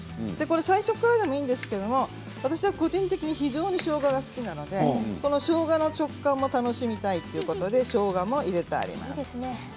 最初からでもいいんですけれど私は個人的に非常にしょうがが好きなのでしょうがの食感を楽しみたいということでしょうがを入れてあります。